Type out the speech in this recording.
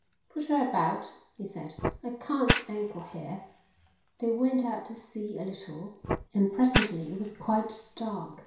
"Put her about," he said. "I can't anchor here." They went out to sea a little and presently it was quite dark.